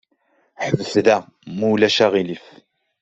Ḥbes da, ma ulac aɣilif.